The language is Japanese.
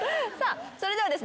それではですね